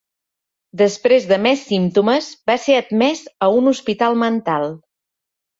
Després de més símptomes va ser admès a un hospital mental.